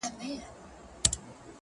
پايزېب به دركړمه د سترگو توره.